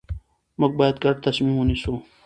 موږ باید ګډ تصمیم ونیسو